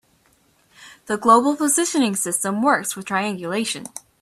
The global positioning system works with triangulation.